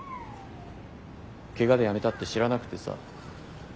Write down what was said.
怪我でやめたって知らなくてさ。